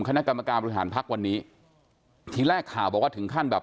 คณะกรรมการบริหารพักวันนี้ทีแรกข่าวบอกว่าถึงขั้นแบบ